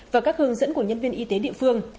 và các hướng dẫn của nhân viên y tế địa phương